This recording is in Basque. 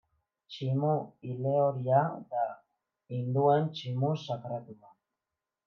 Tximu ile-horia da, hinduen tximu sakratua.